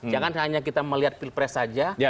jangan hanya kita melihat pilpres saja